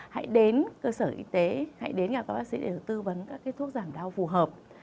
hãy đến cơ sở y tế hãy đến nhà các bác sĩ để tư vấn các cái thuốc giảm đau phù hợp